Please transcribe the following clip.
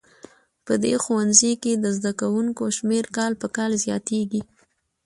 په دې ښوونځي کې د زده کوونکو شمېر کال په کال زیاتیږي